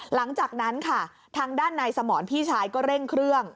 หลังจากนั้นค่ะทางด้านนายสมรพี่ชายก็เร่งเครื่อง